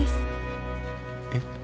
えっ？